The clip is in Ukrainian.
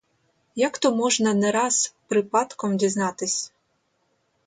Як то можна не раз припадком дізнатись.